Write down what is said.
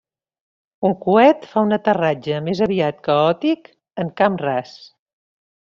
Un coet fa un aterratge més aviat caòtic en camp ras.